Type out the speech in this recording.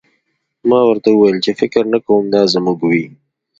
ما ورته وویل چې فکر نه کوم دا زموږ وي